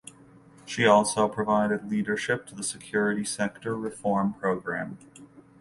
She also provided leadership to the Security Sector Reform Programme.